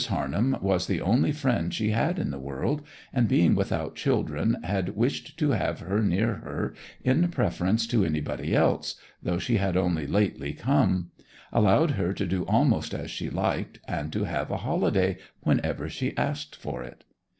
Harnham was the only friend she had in the world, and being without children had wished to have her near her in preference to anybody else, though she had only lately come; allowed her to do almost as she liked, and to have a holiday whenever she asked for it.